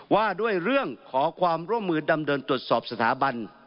ว่าด้วยเรื่องขอความร่วมมือดำเนินตรวจสอบสถาบัน